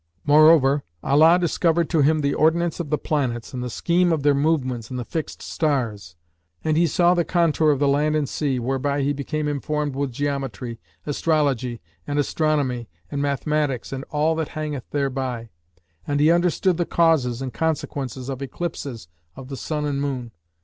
Moreover, Allah discovered to him the ordinance of the planets and the scheme of their movements and the fixed stars; and he saw the contour of the land and sea, whereby he became informed with geometry, astrology and astronomy and mathematics and all that hangeth thereby; and he understood the causes and consequences of eclipses of the sun and moon.